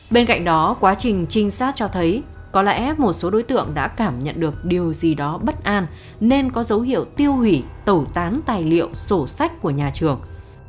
bên cạnh đó quá trình trinh sát cho thấy có lẽ một số đối tượng đã cảm nhận được điều gì đó bất an nên có dấu hiệu tiêu hủy tẩu tán tài liệu sổ sách của nhà trường